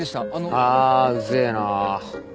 あうぜえな。